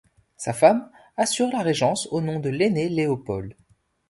Sa femme assure la régence au nom de l'aîné Léopold.